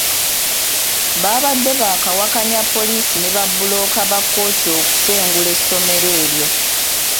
Baabadde bawakanya poliisi ne babbulooka ba kkooti okusengula essomero eryo.